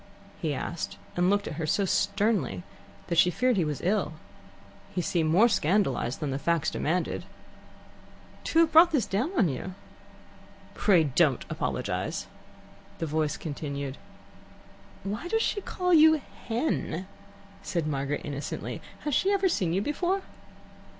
he asked, and looked at her so sternly that she feared he was ill. He seemed more scandalized than the facts demanded. "To have brought this down on you." "Pray don't apologize." The voice continued. "Why does she call you 'Hen'?" said Margaret innocently. "Has she ever seen you before?"